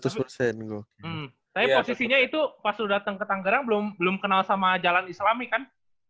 tapi posisinya itu pas lu dateng ke tangerang belum kenal sama jalan islami kan